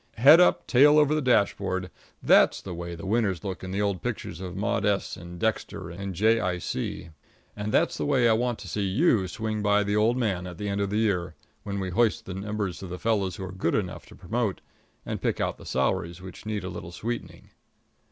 Head up, tail over the dashboard that's the way the winners look in the old pictures of Maud S. and Dexter and Jay Eye See. And that's the way I want to see you swing by the old man at the end of the year, when we hoist the numbers of the fellows who are good enough to promote and pick out the salaries which need a little sweetening.